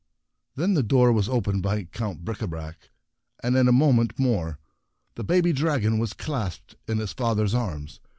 Then the door was opened by Count Bricabrac, and in a moment more the baby dragon was clasped in his father's arms